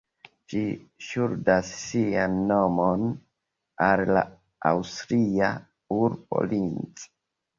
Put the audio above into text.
Ĝi ŝuldas sian nomon al la aŭstria urbo Linz.